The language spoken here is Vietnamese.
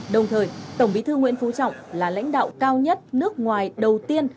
đồng thời tổng bí thư nguyễn phú trọng là lãnh đạo cao nhất nước ngoài đầu tiên